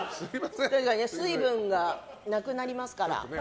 水分がなくなりますから。